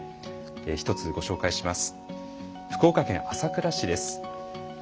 １つ、ご紹介します。